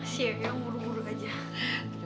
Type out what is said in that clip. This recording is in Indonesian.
siang ya nguruk nguruk aja